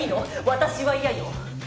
私は嫌よ！